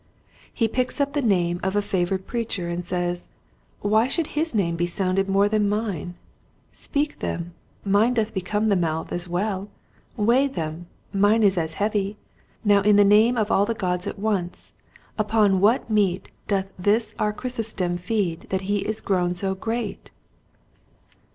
He picks up the name of a favored preacher and says, " Why should his name be sounded more than mine t Speak them, mine doth become the mouth as well. Weigh them, mine is as heavy. Now in the name of all the gods at once upon what meat doth this our Chrysostom feed that he is grown so great